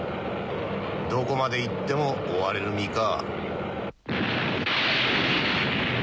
どこまでいっても追われる身か。